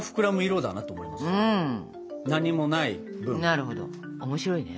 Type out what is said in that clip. なるほど面白いね。